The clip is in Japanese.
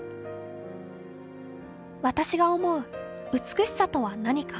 『私が思う美しさとは何か』